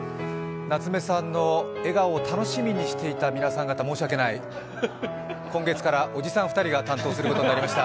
夏目さんの笑顔を楽しみにしていた皆さん方、申し訳ない、今月からおじさん２人が担当することになりました。